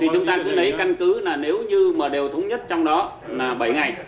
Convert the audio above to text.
chúng ta cứ lấy căn cứ là nếu như mà đều thống nhất trong đó là bảy ngày